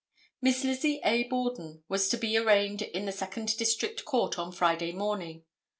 Miss Lizzie A. Borden was to be arraigned in the Second District Court, on Friday morning.